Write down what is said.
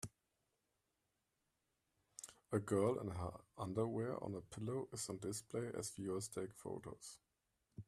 A girl in her underwear on a pillow is on display as viewers take photos.